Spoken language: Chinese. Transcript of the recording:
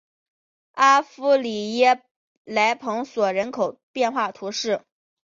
阿夫里耶莱蓬索人口变化图示